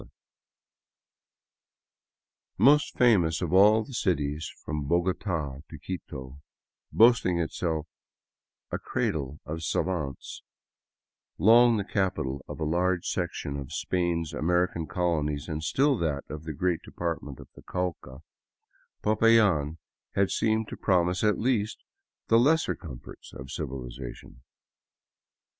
87 VAGABONDING DOWN THE ANDES Most famous of all the cities from Bogota to Quito, boasting itself a " cradle of savants," long the capital of a large section of Spain's American colonies and still that of the great department of the Cauca, Popayan had seemed to promise at least the lesser comforts of civiliza tion.